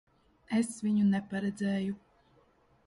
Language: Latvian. Es viņu neparedzēju.